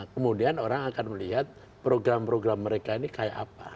kemudian orang akan melihat program program mereka ini kayak apa